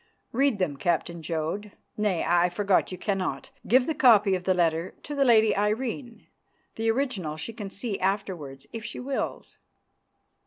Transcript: Read them, Captain Jodd. Nay, I forgot, you cannot. Give the copy of the letter to the Lady Irene; the original she can see afterwards if she wills."